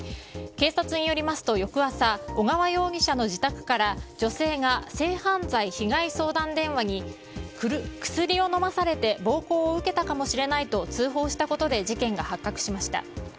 警察によりますと翌朝、小川容疑者の自宅から女性が性犯罪被害相談電話に薬を飲まされて暴行を受けたかもしれないと通報したことで事件が発覚しました。